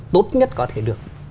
tốt nhất có thể được